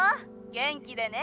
元気でね。